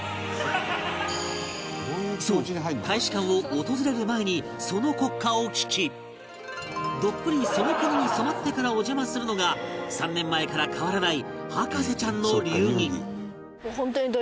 そう大使館を訪れる前にその国歌を聴きどっぷりその国に染まってからお邪魔するのが３年前から変わらない博士ちゃんの流儀